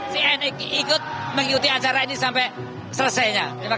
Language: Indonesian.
cnn ikut mengikuti acara ini sampai selesainya